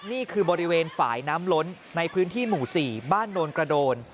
นี่คือบริเวณฝ่ายน้ำล้นในพื้นที่หมู่๔บ้านโนนกระโดน